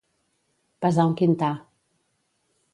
Pesar un quintar.